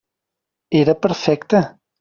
Era perfecte.